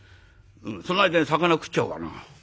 その間に肴食っちゃおうかな。